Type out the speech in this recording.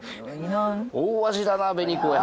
大味だな紅子は。